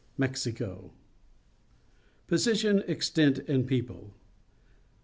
MEXICO Position, Extent, and People.